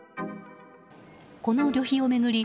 この旅費を巡り